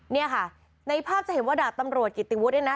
เนี่ยค่ะในภาพจะเห็นว่าดาบตำรวจกิติวุฒิเนี่ยนะ